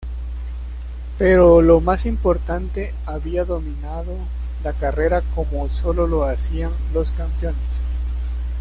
Pero lo más importante, había dominado la carrera como solo lo hacían los campeones.